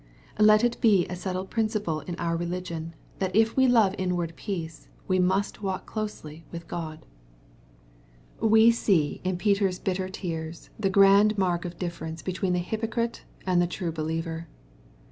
Let it be a settled principle in our reli gion, that if we love inward peace, we must walk closely with Gtod. 878 EXPOSITORY THOUGHTS. We see in looter's bitter tears, the grand mark of difference between the hypocrite and the true believer.